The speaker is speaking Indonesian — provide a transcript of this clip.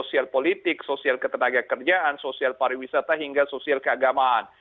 sosial politik sosial ketenaga kerjaan sosial pariwisata hingga sosial keagamaan